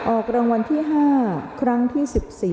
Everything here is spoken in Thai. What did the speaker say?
ออกรางวัลที่๕ครั้งที่๑๔